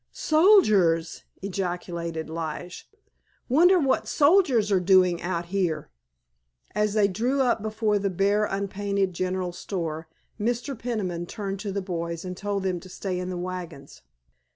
"Soldiers!" ejaculated Lige. "Wonder what soldiers are doing out here?" As they drew up before the bare, unpainted general store Mr. Peniman turned to the boys and told them to stay in the wagons.